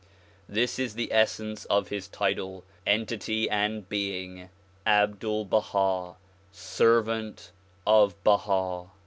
This is the essence of his title, entity and being, Abdul Baha, Servant of Baha.